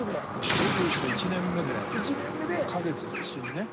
デビューした１年目で花月で一緒にね。